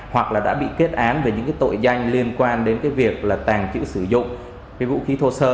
hoặc là đã bị kết án về những tội danh liên quan đến việc tàn trữ sử dụng vũ khí thô sơ